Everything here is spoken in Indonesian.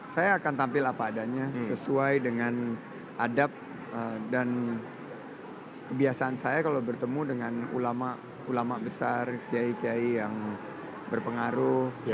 saya akan tampil apa adanya sesuai dengan adab dan kebiasaan saya kalau bertemu dengan ulama ulama besar kiai kiai yang berpengaruh